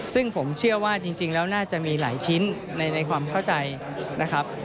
ซึ่งผมเชื่อว่าจริงแล้วน่าจะมีหลายชิ้นในความเข้าใจนะครับ